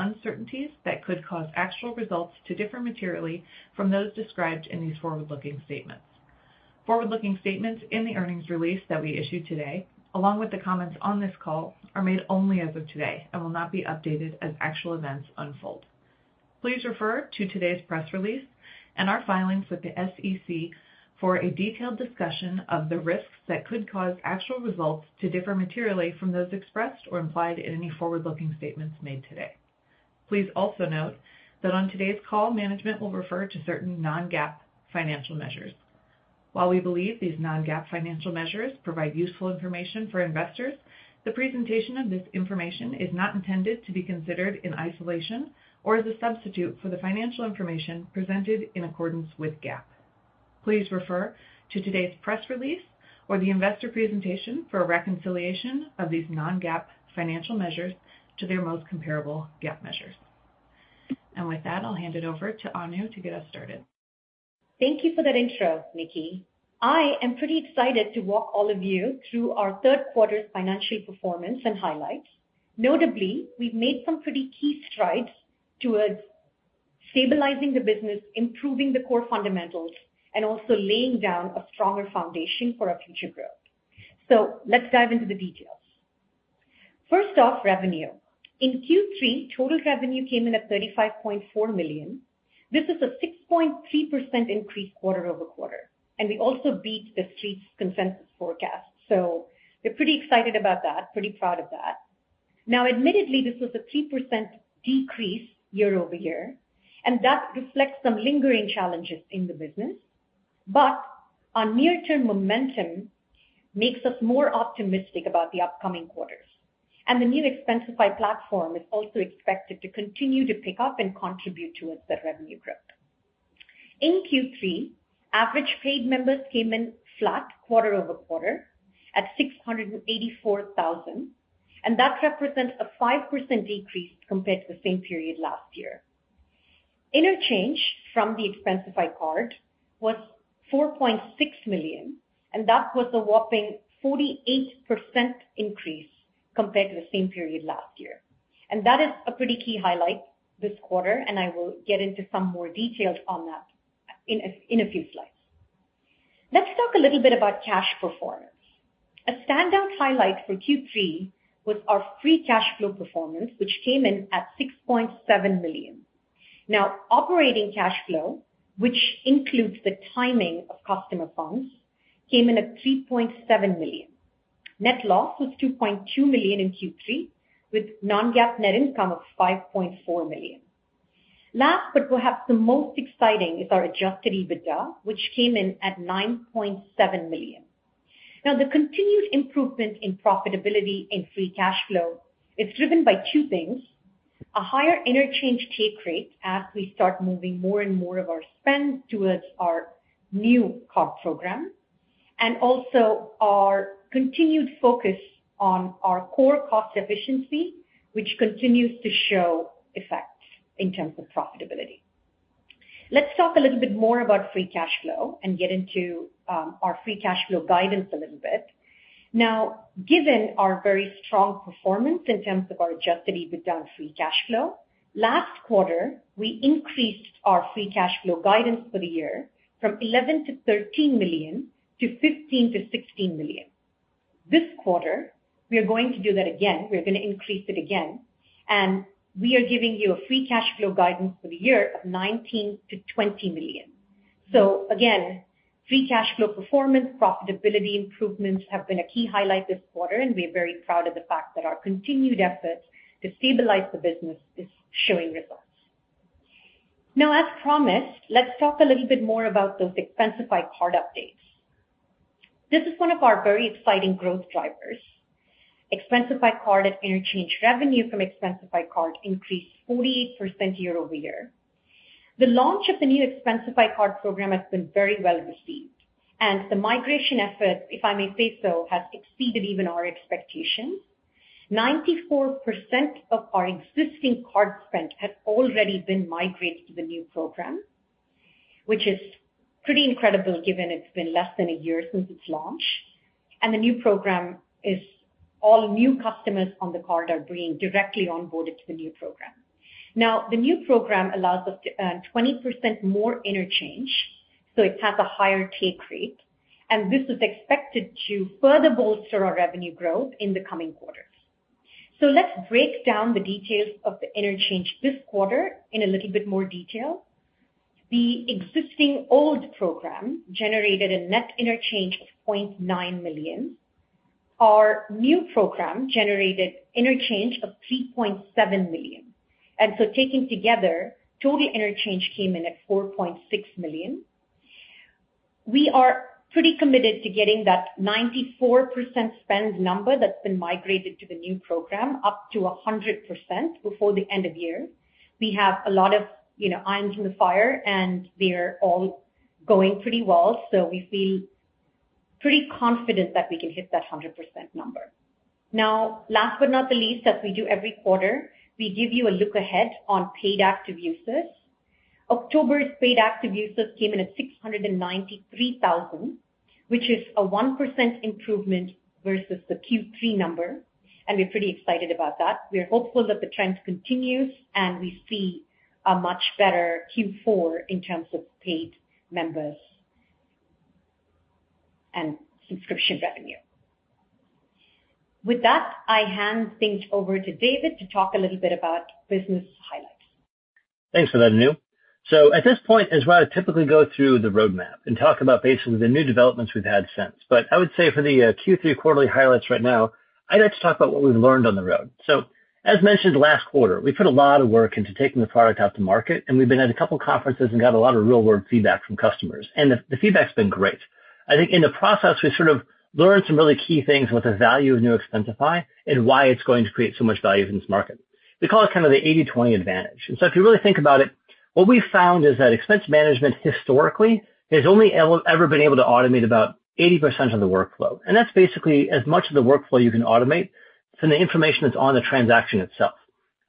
Risks and uncertainties that could cause actual results to differ materially from those described in these forward-looking statements. Forward-looking statements in the earnings release that we issue today, along with the comments on this call, are made only as of today and will not be updated as actual events unfold. Please refer to today's press release and our filings with the SEC for a detailed discussion of the risks that could cause actual results to differ materially from those expressed or implied in any forward-looking statements made today. Please also note that on today's call, management will refer to certain non-GAAP financial measures. While we believe these non-GAAP financial measures provide useful information for investors, the presentation of this information is not intended to be considered in isolation or as a substitute for the financial information presented in accordance with GAAP. Please refer to today's press release or the investor presentation for a reconciliation of these non-GAAP financial measures to their most comparable GAAP measures. And with that, I'll hand it over to Anu to get us started. Thank you for that intro, Niki. I am pretty excited to walk all of you through our third quarter's financial performance and highlights. Notably, we've made some pretty key strides towards stabilizing the business, improving the core fundamentals, and also laying down a stronger foundation for our future growth. So let's dive into the details. First off, revenue. In Q3, total revenue came in at $35.4 million. This is a 6.3% increase quarter-over-quarter. And we also beat the Street's consensus forecast. So we're pretty excited about that, pretty proud of that. Now, admittedly, this was a 3% decrease year-over-year, and that reflects some lingering challenges in the business. But our near-term momentum makes us more optimistic about the upcoming quarters. And the New Expensify platform is also expected to continue to pick up and contribute towards the revenue growth. In Q3, average paid members came in flat quarter over quarter at 684,000, and that represents a 5% decrease compared to the same period last year. Interchange from the Expensify Card was $4.6 million, and that was a whopping 48% increase compared to the same period last year, and that is a pretty key highlight this quarter, and I will get into some more details on that in a few slides. Let's talk a little bit about cash performance. A standout highlight for Q3 was our free cash flow performance, which came in at $6.7 million. Now, operating cash flow, which includes the timing of customer funds, came in at $3.7 million. Net loss was $2.2 million in Q3, with non-GAAP net income of $5.4 million. Last, but perhaps the most exciting, is our Adjusted EBITDA, which came in at $9.7 million. Now, the continued improvement in profitability in free cash flow is driven by two things: a higher interchange take rate as we start moving more and more of our spend towards our new card program, and also our continued focus on our core cost efficiency, which continues to show effects in terms of profitability. Let's talk a little bit more about free cash flow and get into our free cash flow guidance a little bit. Now, given our very strong performance in terms of our Adjusted EBITDA and free cash flow, last quarter, we increased our free cash flow guidance for the year from $11 million-$13 million to $15 million-$16 million. This quarter, we are going to do that again. We're going to increase it again, and we are giving you a free cash flow guidance for the year of $19 million-$20 million. So again, free cash flow performance, profitability improvements have been a key highlight this quarter, and we're very proud of the fact that our continued effort to stabilize the business is showing results. Now, as promised, let's talk a little bit more about those Expensify Card updates. This is one of our very exciting growth drivers. Expensify Card and interchange revenue from Expensify Card increased 48% year-over-year. The launch of the New Expensify Card program has been very well received, and the migration effort, if I may say so, has exceeded even our expectations. 94% of our existing card spend has already been migrated to the new program, which is pretty incredible given it's been less than a year since its launch. And the new program is, all new customers on the card are being directly onboarded to the new program. Now, the new program allows us to earn 20% more interchange, so it has a higher take rate. And this is expected to further bolster our revenue growth in the coming quarters. So let's break down the details of the interchange this quarter in a little bit more detail. The existing old program generated a net interchange of $0.9 million. Our new program generated interchange of $3.7 million. And so taken together, total interchange came in at $4.6 million. We are pretty committed to getting that 94% spend number that's been migrated to the new program up to 100% before the end of year. We have a lot of irons in the fire, and they're all going pretty well. So we feel pretty confident that we can hit that 100% number. Now, last but not the least, as we do every quarter, we give you a look ahead on paid active users. October's paid active users came in at 693,000, which is a 1% improvement versus the Q3 number. And we're pretty excited about that. We're hopeful that the trend continues, and we see a much better Q4 in terms of paid members and subscription revenue. With that, I hand things over to David to talk a little bit about business highlights. Thanks for that, Anu. So at this point, as well, I typically go through the roadmap and talk about basically the new developments we've had since. But I would say for the Q3 quarterly highlights right now, I'd like to talk about what we've learned on the road. So as mentioned last quarter, we put a lot of work into taking the product out to market, and we've been at a couple of conferences and got a lot of real-world feedback from customers. And the feedback's been great. I think in the process, we sort of learned some really key things with the value of New Expensify and why it's going to create so much value in this market. We call it kind of the 80/20 advantage. And so if you really think about it, what we found is that expense management historically has only ever been able to automate about 80% of the workflow. And that's basically as much of the workflow you can automate from the information that's on the transaction itself,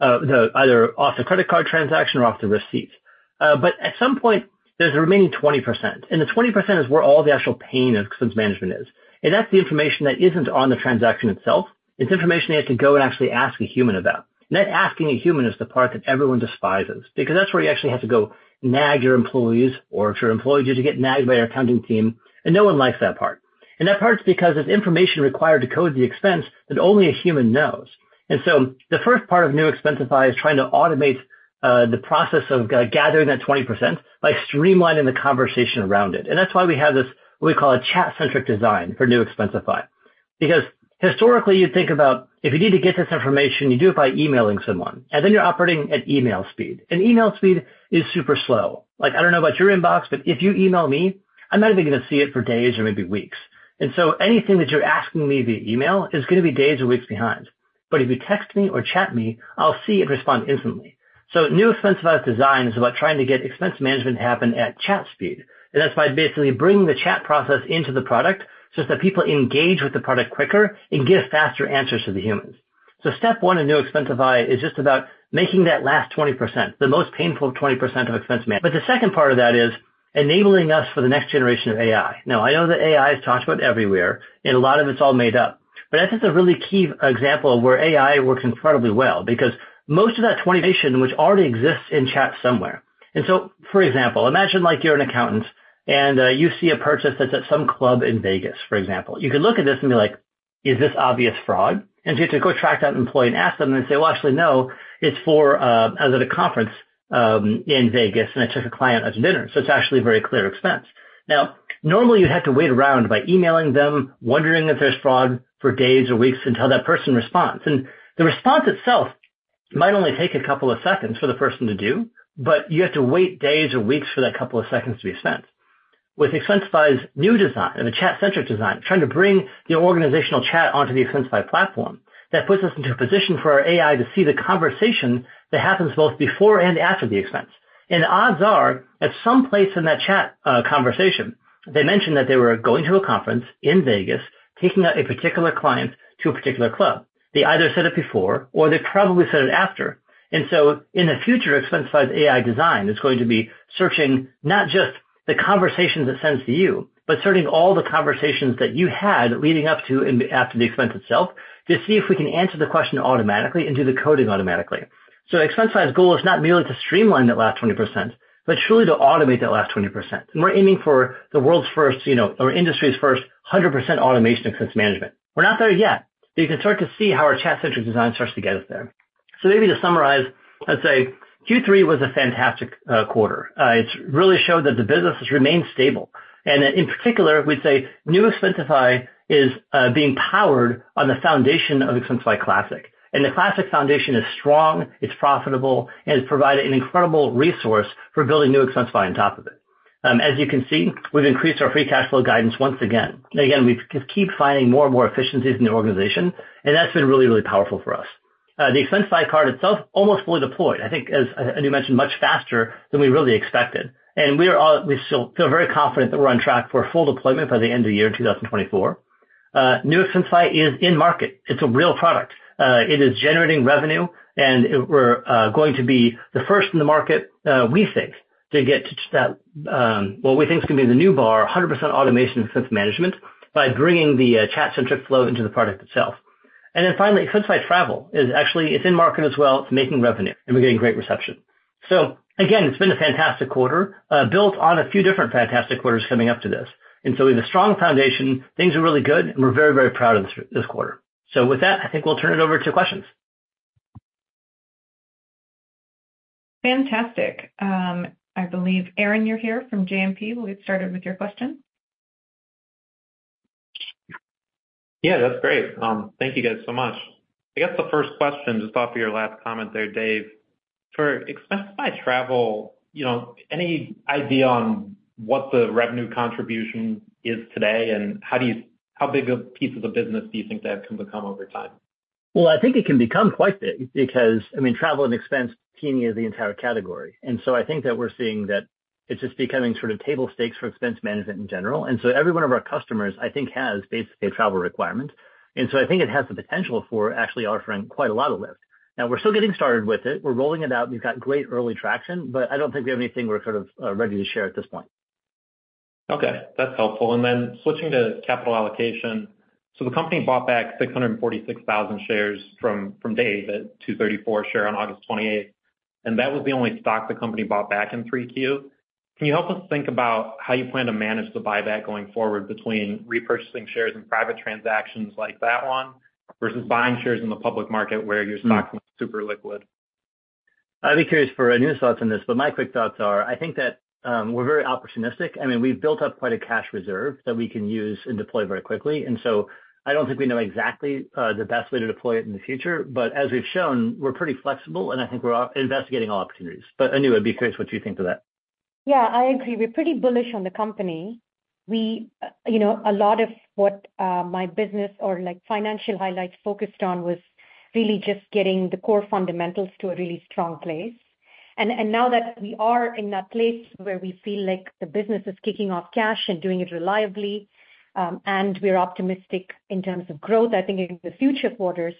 either off the credit card transaction or off the receipt. But at some point, there's a remaining 20%. And the 20% is where all the actual pain of expense management is. And that's the information that isn't on the transaction itself. It's information they have to go and actually ask a human about. And that asking a human is the part that everyone despises because that's where you actually have to go nag your employees, or if your employees need to get nagged by your accounting team. And no one likes that part. And that part's because it's information required to code the expense that only a human knows. And so the first part of New Expensify is trying to automate the process of gathering that 20% by streamlining the conversation around it. And that's why we have this, what we call a chat-centric design for New Expensify. Because historically, you'd think about if you need to get this information, you do it by emailing someone. And then you're operating at email speed. And email speed is super slow. I don't know about your inbox, but if you email me, I'm not even going to see it for days or maybe weeks. And so anything that you're asking me via email is going to be days or weeks behind. But if you text me or chat me, I'll see and respond instantly. So New Expensify design is about trying to get expense management to happen at chat speed. And that's by basically bringing the chat process into the product so that people engage with the product quicker and get faster answers to the humans. So step one in New Expensify is just about making that last 20%, the most painful 20% of expense. But the second part of that is enabling us for the next generation of AI. Now, I know that AI is talked about everywhere, and a lot of it's all made up. But that is a really key example of where AI works incredibly well because most of that 20%, which already exists in chat somewhere. And so, for example, imagine you're an accountant and you see a purchase that's at some club in Vegas, for example. You could look at this and be like, "Is this obvious fraud?" and you have to go track that employee and ask them, and they say, "Well, actually, no. It's for a conference in Vegas, and I took a client out to dinner," so it's actually a very clear expense. Now, normally, you'd have to wait around by emailing them, wondering if there's fraud for days or weeks until that person responds, and the response itself might only take a couple of seconds for the person to do, but you have to wait days or weeks for that couple of seconds to be spent. With Expensify's new design, the chat-centric design, trying to bring the organizational chat onto the Expensify platform, that puts us into a position for our AI to see the conversation that happens both before and after the expense. Odds are at some place in that chat conversation, they mentioned that they were going to a conference in Vegas, taking a particular client to a particular club. They either said it before, or they probably said it after. In the future, Expensify's AI design is going to be searching not just the conversations it sends to you, but searching all the conversations that you had leading up to and after the expense itself to see if we can answer the question automatically and do the coding automatically. Expensify's goal is not merely to streamline that last 20%, but truly to automate that last 20%. We're aiming for the world's first or industry's first 100% automation of expense management. We're not there yet, but you can start to see how our chat-centric design starts to get us there. So maybe to summarize, I'd say Q3 was a fantastic quarter. It really showed that the business has remained stable. And in particular, we'd say New Expensify is being powered on the foundation of Expensify Classic. And the Classic foundation is strong, it's profitable, and it's provided an incredible resource for building New Expensify on top of it. As you can see, we've increased our free cash flow guidance once again. And again, we keep finding more and more efficiencies in the organization, and that's been really, really powerful for us. The Expensify Card itself almost fully deployed, I think, as Anu mentioned, much faster than we really expected. And we feel very confident that we're on track for full deployment by the end of the year in 2024. New Expensify is in market. It's a real product. It is generating revenue, and we're going to be the first in the market, we think, to get to that what we think is going to be the new bar, 100% automation of expense management by bringing the chat-centric flow into the product itself, and then finally, Expensify Travel is actually in market as well. It's making revenue, and we're getting great reception, so again, it's been a fantastic quarter built on a few different fantastic quarters coming up to this, and so we have a strong foundation. Things are really good, and we're very, very proud of this quarter, so with that, I think we'll turn it over to questions. Fantastic. I believe Aaron, you're here from JMP. We'll get started with your question. Yeah, that's great. Thank you guys so much. I guess the first question, just off of your last comment there, Dave, for Expensify Travel, any idea on what the revenue contribution is today and how big a piece of the business do you think that can become over time? I think it can become quite big because, I mean, travel and expense T&E as the entire category. And so I think that we're seeing that it's just becoming sort of table stakes for expense management in general. And so every one of our customers, I think, has basically a travel requirement. And so I think it has the potential for actually offering quite a lot of lift. Now, we're still getting started with it. We're rolling it out. We've got great early traction, but I don't think we have anything we're sort of ready to share at this point. Okay. That's helpful. And then switching to capital allocation, so the company bought back 646,000 shares from Dave at $2.34 per share on August 28th. And that was the only stock the company bought back in 3Q. Can you help us think about how you plan to manage the buyback going forward between repurchasing shares in private transactions like that one versus buying shares in the public market where your stock's not super liquid? I'd be curious for Anu's thoughts on this, but my quick thoughts are, I think that we're very opportunistic. I mean, we've built up quite a cash reserve that we can use and deploy very quickly, and so I don't think we know exactly the best way to deploy it in the future, but as we've shown, we're pretty flexible, and I think we're investigating all opportunities, but Anu, I'd be curious what you think of that. Yeah, I agree. We're pretty bullish on the company. A lot of what my business or financial highlights focused on was really just getting the core fundamentals to a really strong place. And now that we are in that place where we feel like the business is kicking off cash and doing it reliably, and we're optimistic in terms of growth, I think in the future quarters,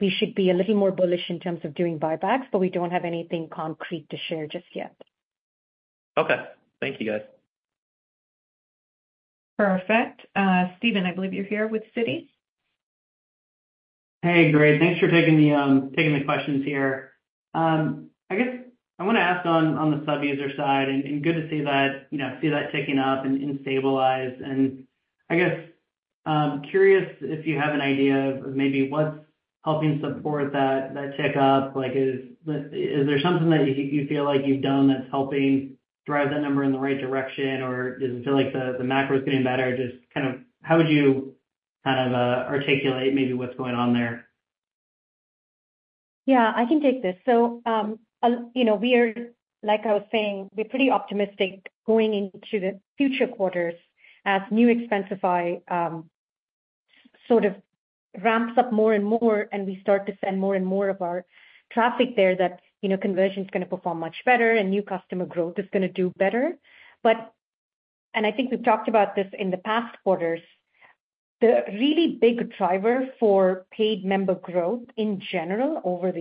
we should be a little more bullish in terms of doing buybacks, but we don't have anything concrete to share just yet. Okay. Thank you, guys. Perfect. Steven, I believe you're here with Citi. Hey, great. Thanks for taking the questions here. I guess I want to ask on the sub-user side, and good to see that ticking up and stabilize. And I guess I'm curious if you have an idea of maybe what's helping support that tick up. Is there something that you feel like you've done that's helping drive that number in the right direction? Or does it feel like the macro is getting better? Just kind of how would you kind of articulate maybe what's going on there? Yeah, I can take this. So we are, like I was saying, we're pretty optimistic going into the future quarters as New Expensify sort of ramps up more and more, and we start to send more and more of our traffic there that conversion is going to perform much better and new customer growth is going to do better. And I think we've talked about this in the past quarters. The really big driver for paid member growth in general over the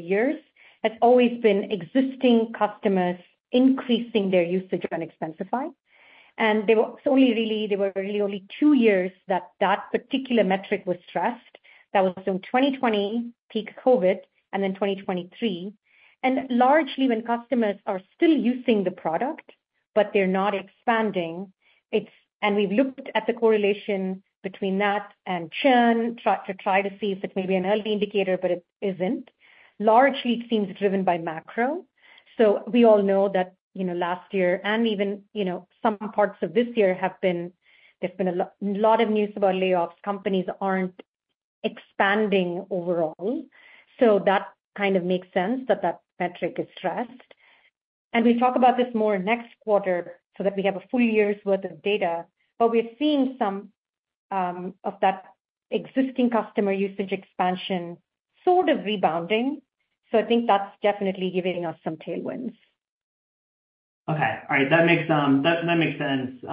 years has always been existing customers increasing their usage on Expensify. And it's only really there were really only two years that particular metric was stressed. That was in 2020, peak COVID, and then 2023. And largely, when customers are still using the product, but they're not expanding, and we've looked at the correlation between that and churn to try to see if it may be an early indicator, but it isn't. Largely, it seems driven by macro. So we all know that last year and even some parts of this year have been a lot of news about layoffs. Companies aren't expanding overall. So that kind of makes sense that metric is stressed. And we'll talk about this more next quarter so that we have a full year's worth of data. But we're seeing some of that existing customer usage expansion sort of rebounding. So I think that's definitely giving us some tailwinds. Okay. All right. That makes sense.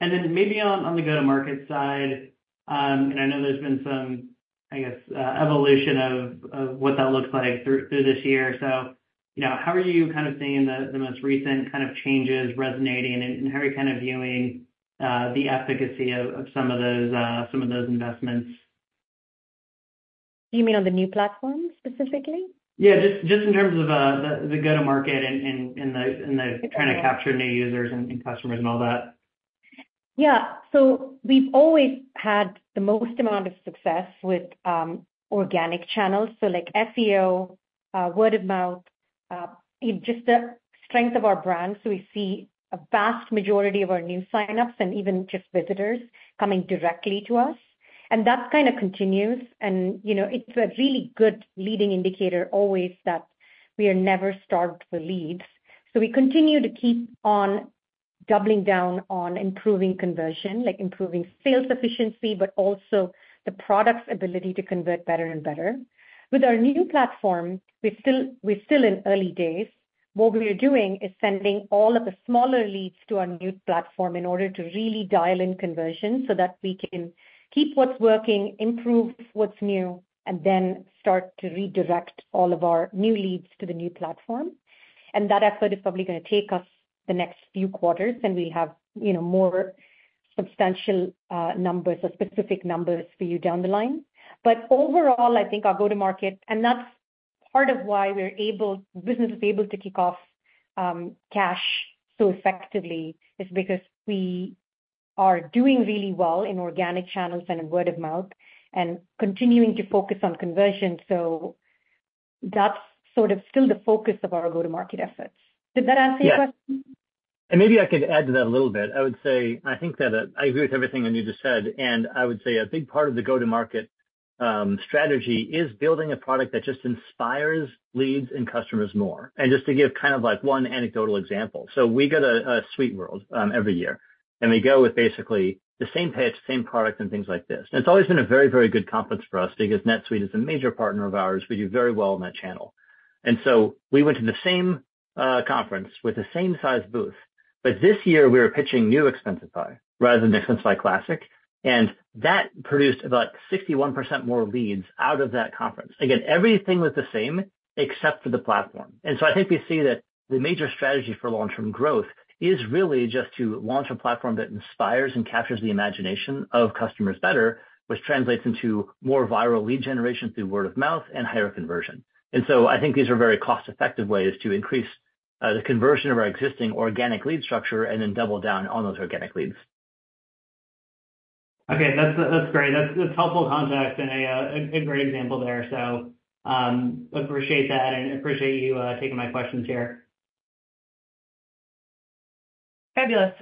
And then maybe on the go-to-market side, and I know there's been some, I guess, evolution of what that looks like through this year. So how are you kind of seeing the most recent kind of changes resonating, and how are you kind of viewing the efficacy of some of those investments? You mean on the new platform specifically? Yeah, just in terms of the go-to-market and trying to capture new users and customers and all that. Yeah. So we've always had the most amount of success with organic channels, so like SEO, word of mouth, just the strength of our brand, so we see a vast majority of our new sign-ups and even just visitors coming directly to us, and that kind of continues, and it's a really good leading indicator always that we are never starved for leads, so we continue to keep on doubling down on improving conversion, like improving sales efficiency, but also the product's ability to convert better and better. With our new platform, we're still in early days. What we're doing is sending all of the smaller leads to our new platform in order to really dial in conversion so that we can keep what's working, improve what's new, and then start to redirect all of our new leads to the new platform. And that effort is probably going to take us the next few quarters, and we'll have more substantial numbers or specific numbers for you down the line. But overall, I think our go-to-market, and that's part of why business is able to kick off cash so effectively, is because we are doing really well in organic channels and in word of mouth and continuing to focus on conversion. So that's sort of still the focus of our go-to-market efforts. Did that answer your question? Maybe I could add to that a little bit. I would say I think that I agree with everything Anu just said. And I would say a big part of the go-to-market strategy is building a product that just inspires leads and customers more. And just to give kind of like one anecdotal example, so we go to SuiteWorld every year, and we go with basically the same pitch, same product, and things like this. And it's always been a very, very good conference for us because NetSuite is a major partner of ours. We do very well in that channel. And so we went to the same conference with the same size booth. But this year, we were pitching New Expensify rather than Expensify Classic. And that produced about 61% more leads out of that conference. Again, everything was the same except for the platform. So I think we see that the major strategy for long-term growth is really just to launch a platform that inspires and captures the imagination of customers better, which translates into more viral lead generation through word of mouth and higher conversion. So I think these are very cost-effective ways to increase the conversion of our existing organic lead structure and then double down on those organic leads. Okay. That's great. That's helpful context and a great example there. So appreciate that and appreciate you taking my questions here. Fabulous.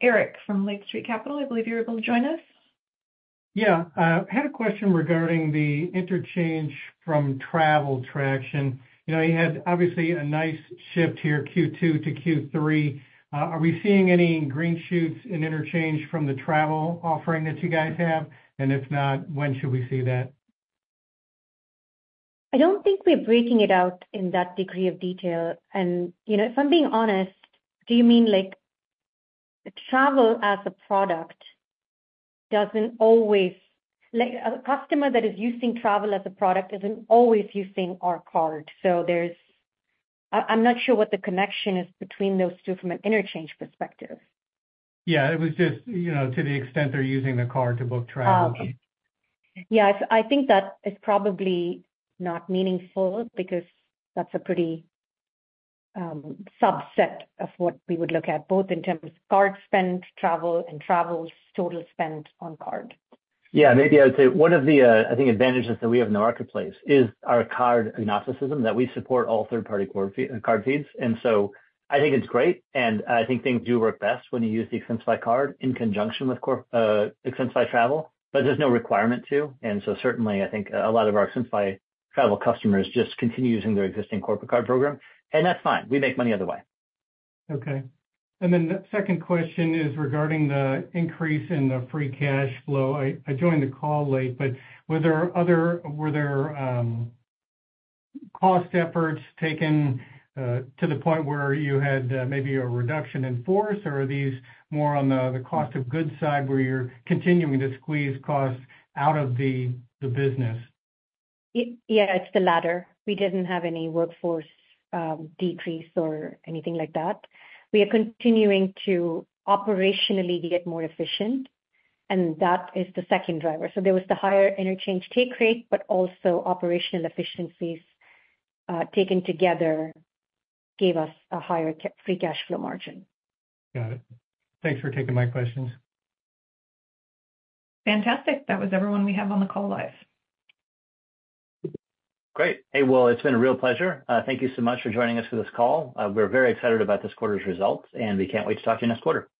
Eric from Lake Street Capital, I believe you're able to join us. Yeah. I had a question regarding the interchange from Travel traction. You had obviously a nice shift here Q2 to Q3. Are we seeing any green shoots in interchange from the Travel offering that you guys have? And if not, when should we see that? I don't think we're breaking it out in that degree of detail, and if I'm being honest, do you mean Travel as a product doesn't always a customer that is using Travel as a product isn't always using our card? So I'm not sure what the connection is between those two from an interchange perspective. Yeah. It was just to the extent they're using the card to book travel. Yeah. I think that is probably not meaningful because that's a pretty subset of what we would look at, both in terms of card spend, travel, and Travel's total spend on card. Yeah. Maybe I would say one of the, I think, advantages that we have in the marketplace is our card agnosticism that we support all third-party card feeds. And so I think it's great. And I think things do work best when you use the Expensify Card in conjunction with Expensify Travel, but there's no requirement to. And so certainly, I think a lot of our Expensify Travel customers just continue using their existing corporate card program. And that's fine. We make money otherwise. Okay. And then the second question is regarding the increase in the free cash flow. I joined the call late, but were there cost efforts taken to the point where you had maybe a reduction in force, or are these more on the cost of goods side where you're continuing to squeeze costs out of the business? Yeah, it's the latter. We didn't have any workforce decrease or anything like that. We are continuing to operationally get more efficient, and that is the second driver. So there was the higher interchange take rate, but also operational efficiencies taken together gave us a higher free cash flow margin. Got it. Thanks for taking my questions. Fantastic. That was everyone we have on the call live. Great. Hey, well, it's been a real pleasure. Thank you so much for joining us for this call. We're very excited about this quarter's results, and we can't wait to talk to you next quarter. Thanks.